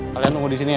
kalian tunggu disini ya